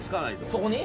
そこに？